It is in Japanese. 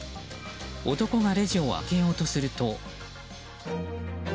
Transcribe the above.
男がレジを開けようとすると。